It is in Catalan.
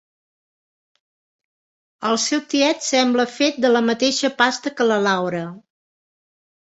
El seu tiet sembla fet de la mateixa pasta que la Laura.